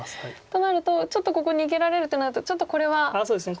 となるとちょっとここ逃げられるってなるとちょっとこれはつらいですか。